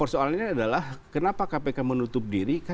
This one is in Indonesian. persoalan ini adalah kenapa kpk menutup diri